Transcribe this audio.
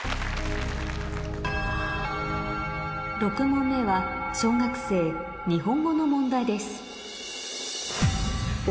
６問目は小学生日本語の問題です